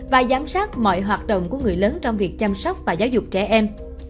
và giám sát mọi hoạt động của người lớn trong việc chăm sóc và giáo dục trẻ em